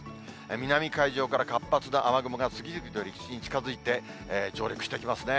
南海上から活発な雨雲が次々と陸地に近づいて、上陸してきますね。